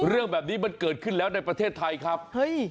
เรื่องแบบนี้เกิดขึ้นในประเทศไทยเลย